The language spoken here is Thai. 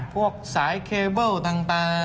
พวกสายเคเบิลต่าง